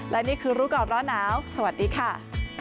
และนี่คือรู้ก่อนร้อนหนาวสวัสดีค่ะ